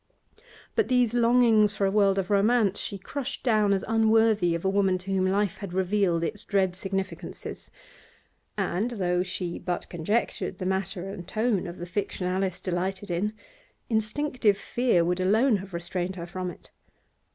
But these longings for a world of romance she crushed down as unworthy of a woman to whom life had revealed its dread significances: and, though she but conjectured the matter and tone of the fiction Alice delighted in, instinctive fear would alone have restrained her from it.